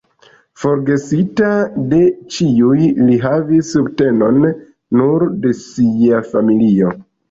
Forgesita de ĉiuj, li havis subtenon nur de sia familio.